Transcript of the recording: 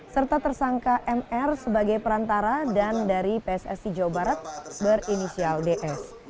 serta tersangka mr sebagai perantara dan dari pssi jawa barat berinisial ds